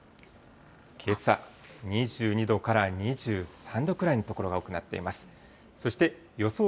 けさ、２２度から２３度くらいの所が多くなっています。